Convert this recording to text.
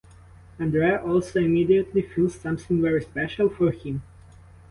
Andrea also immediately feels something very special for him.